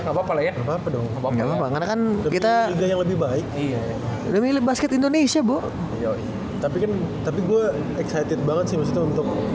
nggak papa ya nggak papa dong karena kan kita lebih baik lebih basket indonesia bu tapi tapi gue